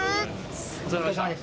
お疲れさまでした。